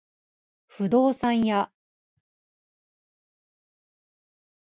不動産屋